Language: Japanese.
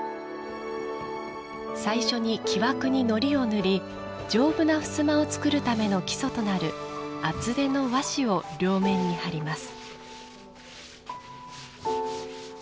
最初に木枠に、のりを塗り丈夫なふすまを作るための基礎となる厚手の和紙を両面に張ります。